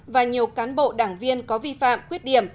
và nhiều cán bộ đảng viên có vi phạm khuyết điểm